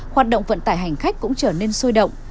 hoạt động vận tải hành khách cũng trở nên sôi động